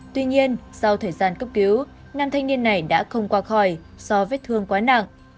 trong đoạn cấp cứu nàm thành niên này đã không qua khỏi do vết thương quá nặng